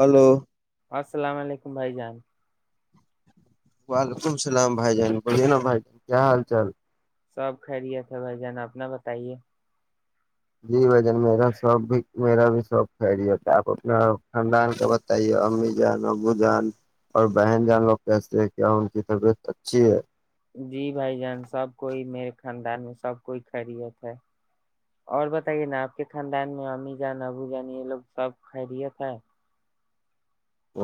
hello السلام علیکم بھائی جان وعلیکم اللام بھائی جان بوے نا بھائی ج کیا حال چال سب خریے تھاے بھائی جان اپنا بتائیے جی بھجن میرا سب بھی میرا بھی سب خی آپ اپنا خاندان کے بتائیے امی جان ابو جان اور بہن جان لوگ کیس کیا ان کی طبیعت اچھی ہے جی بھائی جان سب کوئی میرے خاندان میں سب کوئی خیریت ہے اور بتائیے نا آپ کے خاندان میں امی جان ابو جان یہ لوگ سب خیریت ہے ہ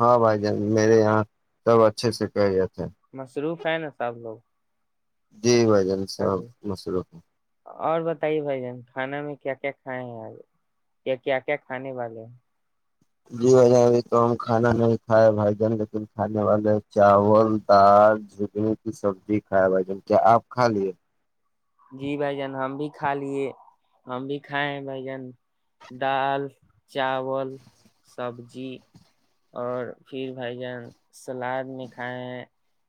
ہاں بھائی جان میرے یہاں سب اچھے سے کہ جاتے ہیں مصروف ہے نا سب لوگ جی بھائی انسا ن مصرف بتائی بھائی جن کھانا میں کیا کیا کھائے ہیں آ یا کیا کیا کھانے والے ہیں جی بھ جان ابھی تو ہم کھانا نہیں کھائے بھائی جان لیکن کھانے والے چاول دال جگنی کی سبزی کھائے بھائی جان کیا آپ کھا لیے جی بھ جان ہم بھی کھا لیے ہم بھی کھائے ہیں بھ جان دال چاول سبزی اور پھر بھائی جان سلاد میں کھائے ہیں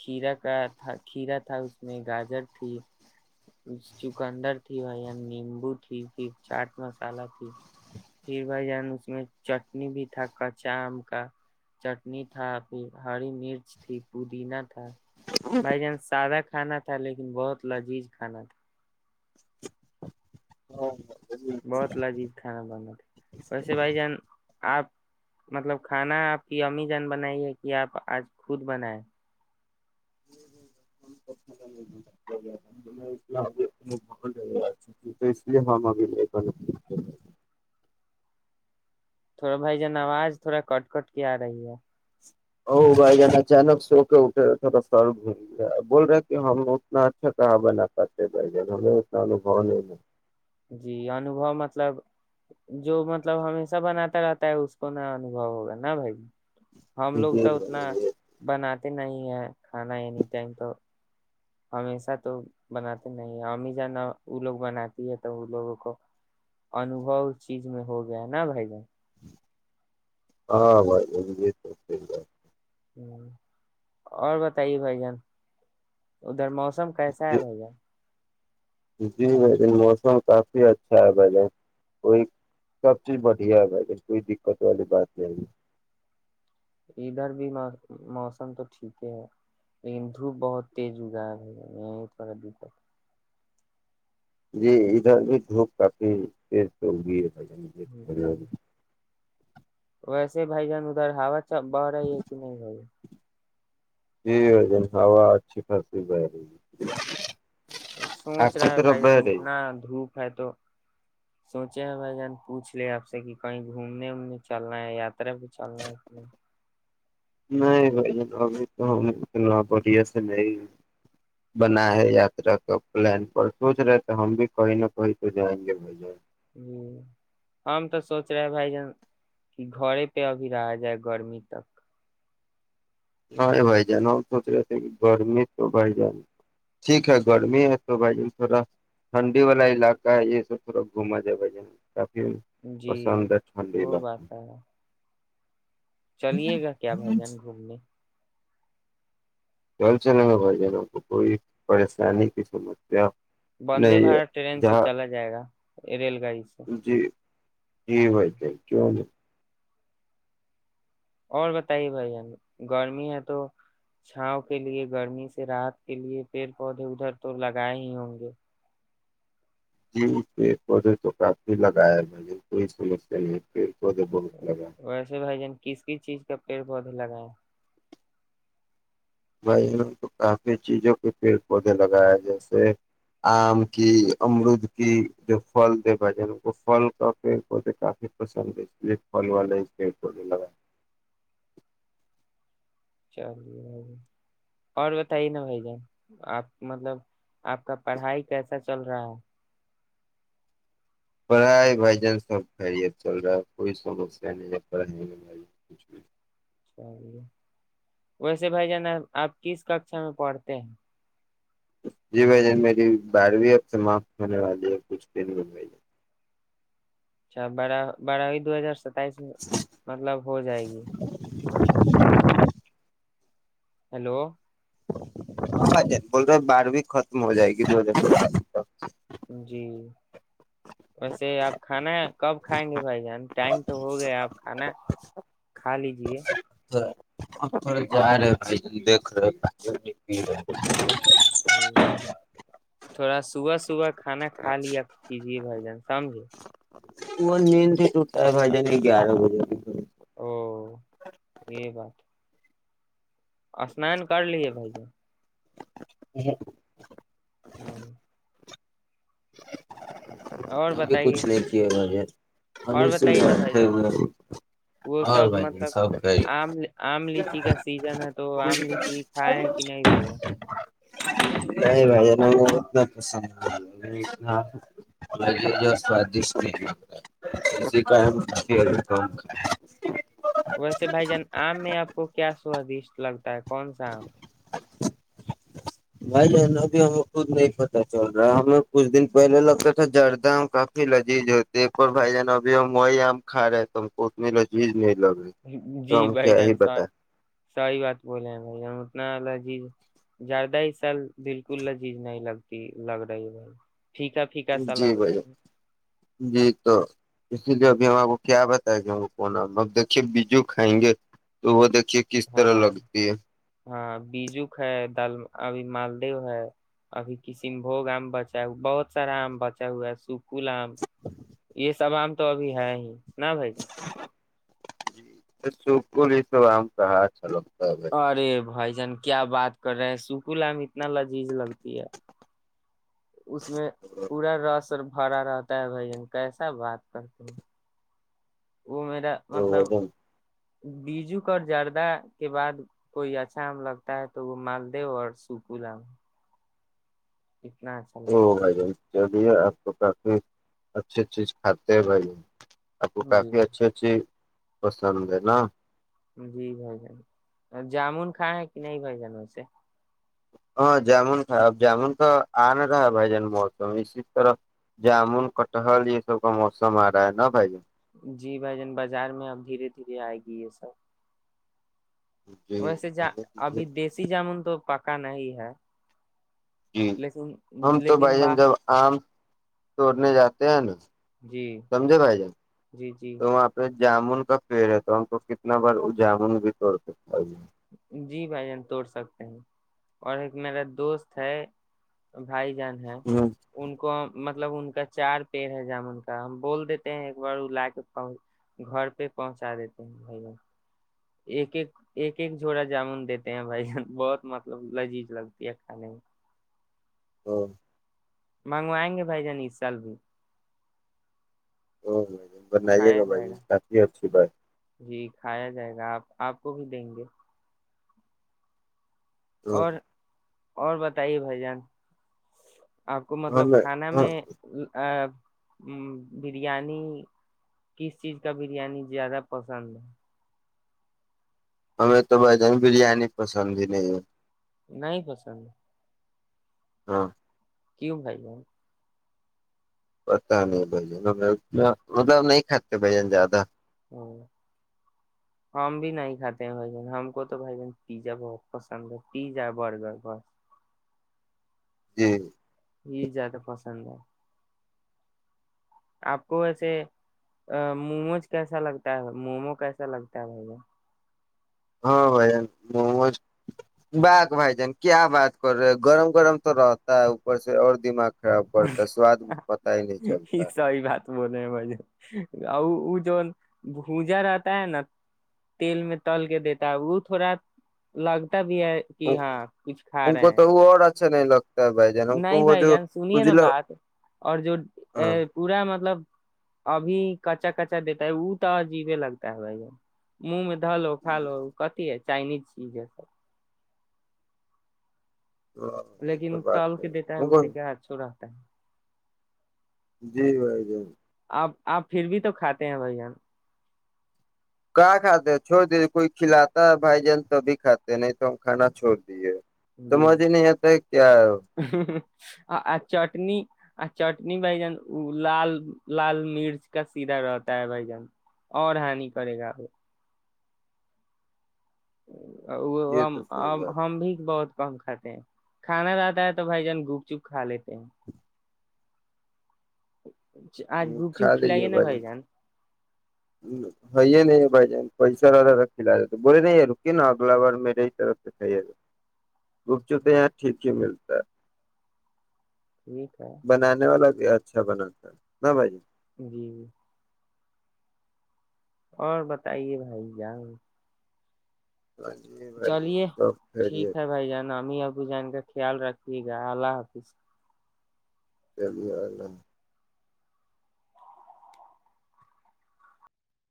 کھیرا کا تھا کھیرا تھا اس میں گاجر تھی چکندر تھی بھائی جان نیمبو تھی پھر چاٹ مسالہ تھی پھر بھائی جان اس میں چٹنی بھی تھا کچا آم کا چٹنی تھا پھر ہری مرچ تھی پودینا تھا بائی چانس سادہ کھانا تھا لیکن بہت لذیذ کان ہاں جی بہت لجی [inaudible] ویسے بھائی جان آپ مطلب کھانا آپ کی امی جان بنائی ہے کہ آپ آج خود بنیں تو لیگ ل تھوڑا بھائی جان آواز تھوڑا کٹ کٹ کے آ رہی ہے ا بھائی جان اچانک سو کے اٹھے رہے تھوڑا سر گھوم گیا بول رہے کہ ہم اتنا اچھا کہا ب نہ کرتے بھائی جان ہمیں اتنا انبو نہیں ہے جی انوبو مطلب جو مطلب ہمیشہ بناتا رہتا ہے اس کو ن انوبو ہوگا نا بھائی ہم ہے لوگ جی تو اتنا بھائی بنات نہیں ہے کھانا اینی ٹائم تو ہمیشہ تو بناتے نہیں ہے امیزہ وہ لوگ بناتی ہے تو وہ لوگوں کو انوبو اس چیز میں ہو گیا ہے نا بھائی جن ہاں بھائی یہ تو سی بات ہ اور بتائیے بھائی جان ادھر موسم موسم کیسا ہے جی بھیا جی بیکن موسم کافی اچھا آئے گ کوئی سب چیز بڑھیا بئے گ کوئی دقت والی بات نہیں ہے ادھر بھی موسم تو ٹھیک ہی ہے لیکن دھوپ بہت تیز اگایا ہے بھ یہ تھوڑا دقت جی یہدھر ڈھوپ کاپنی پ تو گی جی ویسے بھائی جان ادھر ہاوت اچا بارہ ایک نہیں بائی جی وجن ہوا اچھی خاصی بہ رہی ہے آپ سوچ کی رہا ہے طرف بھائی بہ جان رہی اتنا دھوپ ہے تو سوچے ہے بھائی جان پوچھ لے آپ سے کہ کہیں گھومنے وومنے چلناا ہے یاترا پہ چلنا ہے نہیں بھ ج ابھی تو ہم اتنا بڑھیا سے نہیں بنا ہے یاترا تو پلان پر سوچ رہے تو ہم بھی کہیں نہ کہیں تو جائیں گے بھ جن جی ہم تو سوچ رہے بھائی جان کہ گڑے پہ ابھی رہا جائے گرمی تک نہیں بھائی جان ہم سوچ رہے تھے کہ گرمی تو بھائی جان ٹھیک ہے گرمی ہے تو بھائی جان تھوڑا ٹھنڈی والا علاقہ ہے یہ سب تھوڑا گھما جائے بھائی جان کافی جی پسند چھنڈی وہ بق بات ہے چلیے گا کیا بھائی جان گھومنے چل چل ہو بھائی جنوں کو کوئی پریشانی کی سمسیا وندے نہیں ہے بھارت ٹرین سے جہاں چلا جائے گا ریل گاڑی سے جی جی بھائی جان کیوں نہیں اور بتائیے بھائی گرمی ہے تو چھاؤ کے لیے گرمی سے رات کے لیے پیڑ پودے ادھر تو لگائے ہی ہوں گے جی اس پہ پے تو کافی لگایا میں نے کوئی سمسیا نہیں پ ویسے بھائی جان کس کس چیز کا ا پد لگیا بھائی کو کافی چیزوں کے پیڑ پودے لگائےائے جیسے آم کی امرود کی جو فھل دے بھائی جن ان کو پھل کا پیڑ پودے کافی پسند ہے اس لیے پھل والے ہی پیڑ پودے لگائے چلیے ب اور بتائیے نا بھائی جان آپ مطلب آپ کا پڑھائی کیسا چل رہا ہے پڑھائی بھائی جان سب خیریت چل رہا ہے کوئی سمسیا نہیں ہے پڑھائی ب کچھ بھی چلیے ویسے بھائی جان آپ کس ککشا میں پڑھتے ہیں جی بھ جن میری بارہویں ہفتے معافت ہونے والی ہے کچھ دن میں بھ جن اچھا بارا بارا دو ہزار ستائیس مطلب ہو جائے گی [inaudible] ہیلو ج بول رہ بارہویں ختم ہو جائے گی دو ہار پا تک جی ویسے آپ کھانا کب کھائیں گے بھائی جان ٹائم تو ہو گیا آپ کھانا کھا لیجیے جا رہے بائی دیک رہے ہ تھوڑا صبح صبح کھانا کھا لیا کیجے بھجن سمجھے وہ نیند ت تو ٹائم آ جائیں گے گیارہ بجے کی او یہ بات اسنان کر لیے بھائییا جی ھم اور [inaudible] اھی کچھ بتائیے نہیں کیا مجے اور ا س بتائیے نا بھائی جان وہ اور سب بھائی ج مطلب سب آم آم لیچی کا سیزن ہے تو آم لیچی کھائے ہیں کہ نہیں بھائی جان نہیں بھائی اتنا پسند اور سوادٹ نہیںتا اس کا وہ کیا سواد اس لگ ہوتا ہے کون سا بھائی جان اب ہمیں خود نہیں پتتا چل رہا ہے ہمیں کچھ دن پہلے لگتا تھا جردہ آم کافی لذیذ ہوتی ایک اور بھائی جان اب ہم وہی آم کھا رہے ہیں تو ہم کو اتنی لذیذ نہیں لگ رہی جی تو ہم بھائی کیا جان ہی س بتائیں سی بات بولے ہیں بھائی جان اتنا الگ جی زیادہ ہی سال بالکل جیز نہیں لگتی لگ رہی بھائی پھیکا پھیکا سا جی لگ بھائی رہی ہے جی تو اسی لیے ہم کو کیا بتائے گا ہم کون اب دیکے بجو کھائیں گے تو وہ دیک ہاں ہاں بیجوک ہے دال ابھی مالدو ہے ابھی کشن بھگ آم بچا بہت سارا آم بچا ہوا ہے س پل آم یہ سب آم تو ابھی ہے ہی نہ بھائی کا جی سکول ہی توم کہا چلو ارے بھائی جن کیا بات کر رہے ہیں سکلا میں اتنا لذیذ لگتی ہے اس میں پورا رس ہرا رہتا ہے بھائی جن کیسا بات کرتی ہ وہ میرا مطلب او بیجوک اور جردہ کے بعد کوئی اچھا آم لگتا ہے تو وہ مالدو اور سکول آم اتنا اچھا لگتا ہے بھائی جان چلیے آپ کو کافی اچھی چیز کھاتے ہیں بھائی آپ کو ہے جی کافی اچھے اچھے بساند ن [unintelligible] جی بھائی جان جامن کائے ہے کہ نہیں بھائی جان اسے ہاں جامن خاب جامن تو آ نہ رہا ہے بھائی جان موسم اسی طرح جامن کٹہل یہ سب کا موسم آ رہا ہے نا بھائی جان جی بھائی جان بازار میں اب دھیرے دھیرے آئے گی یہ سب ویسے جا جی ابھی دیسیی جامن تو پ پ کا نہیں ہے جی لیکن ہم تو بھائی لیکن جان باہ جب آم توڑنے جاتے ہیں نا جی سمجے گائے ج جی جی تو اپ جامن کا پیڑ رہ ہے تو ہم کو کتنا بار وہ جامن بھی توڑ سک جی بھائی جان توڑ سکتے ہیں اور ایک میرا دوست ہے بھائی ہے ان کو م مطلب ان کا چار پیڑ ہے جامن کا ہم بول دیتے ہیں ایک بار وہ لا کے گھر پہ پہنچا دیتے ہیں بھائی ب ایک ایک ایک ایک جھڑا جامن دیتے ہیں بھائی جان بہت مطلب لذیذ لگتی ہے کھانے میں ہ [inaudible] منگوائیں گے بھائی جان اس سال بھی او بھائی بن آئیے کھایا گا بھائی جائے کافی اچھی بات جی کھایا جائے گا آپ آپ کو بھی دیں گے ہ [inaudible] اور اور بتائیے بھائی جان آپ کو مطلب ہمیں کھانا میں ہ بریانی کس چیز کا بریانی زیادہ پسند ہے ہمیں تو بائی جان بریانی پسند ہی نہیں ہے نہیں پسند ہاں کیوں بھائی ہے پتا نہیں بھ جن ہم ردؤ نہیں کاتے بھ جن زیادہ ہ ہم بھی نہیں کھاتے ہیں بھائی جن ہم کو تو بھائی جن پیزا بہت پسند ہے پیزا برگر بس جی یہ زیادہ پسند ہے آپ کو ویسے موموز کیسا لگتا ہے مومو کیسا لگتا ہے بھ ہاں بھائی جان بق بھائی جان کیا بات کر رہے گرم گرم تو رہتا ہے اوپر سے اور دماغ خراب پڑتا ہے سواد جان پتا ہی نہیں چلتا ب ب وہ جو بوجا رہتا ہے نا تیل میں تل کے دیتا ہے وہ تھوڑا لگ پ بھی ہے کہ ہاں کچھ کھا ہم کو رہے ہیں تو وہ اور اچھا نہیں لگ نہیں بھائی جان سنیے نا بات اور جو ہاں پورا مطلب ابھی کچا کچا دیتا ہے وہ تو عجیبے لگتا ہے بھائی منہ میں تو ڈھلو فالو کتی ہے چائنیز چیز ہے سب یہ لیکن تو بات ٹال کے دیتا ہے ہم کو اتے کیا چھورا [unintelligible] جی و گ [inaudible] [unintelligible] اب آپ پھر بھی تو کھاتے ہیں بائی ہم ہم کہاں کھاتے ہیں چھوڑ دیجے کوئی کھلاتا ہے بھائی جان توبھی کھاتے ہیں نہیں تو ہم کھانا چھوڑ دیجے جی چٹنی چٹنی بھ جان لال لال مرچ کا سیدھا رہتا ہے بھائی جان اور ہانی کرے گا ہ وہ یہ تو صحیح بات ہم بھی بہت کم کھاتے ہیں کھانا جاتا ہے تو بھائی جان گپ چپ کھا لیتے ہیں اچ [unintelligible] آج گوپ چپ کھلائیے نا بھائی جان ہےئی نہیں بائی ج پیسہ والتاا رکھی ل رہے تو بولے ن روکے نا اگلا بار میں رہی طرف سے تھ گپچ تار ٹھیک سے ملتے ٹھیک ہے بنانے والا یہ اچھا بناتا نہ بھائی جی جی اور بتائیے بھائی جان ہاں جی بھائی جان چلیے سب خیریت ٹھیک ہے بھائی جانام ہی اب ب جان کا خیال رکھیے گا اللہ حافظ چلیے اللہ